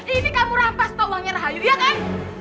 ini kamu rampas tuh uangnya rahayu iya kan